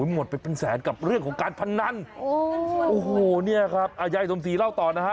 หมดไปเป็นแสนกับเรื่องของการพนันโอ้โหเนี่ยครับยายสมศรีเล่าต่อนะฮะ